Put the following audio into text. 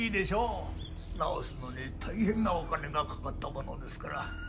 直すのに大変なお金がかかったものですから。